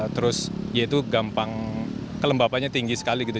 terus ya itu gampang kelembabannya tinggi sekali gitu